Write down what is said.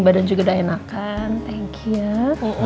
badan juga udah enakan thank you ya